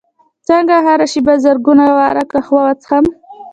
څنګه هره شپه زرګونه واره قهوه وڅښم